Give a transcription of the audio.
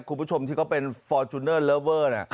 คุณผู้ชมที่เขาเป็นฟอร์จูเนอร์เลอเวอร์